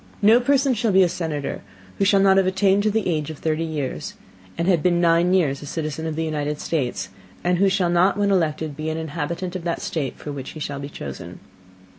No person shall be a Senator who shall not have attained to the Age of thirty Years, and been nine Years a Citizen of the United States, and who shall not, when elected, be an Inhabitant of that State for which he shall be chosen.